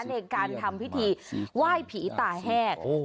ในการทำพิธีไหว้ผีตาแห้ง